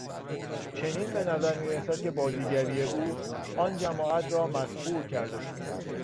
چنین به نظر میرسد که بازیگری او آن جماعت را مسحور کرده بود.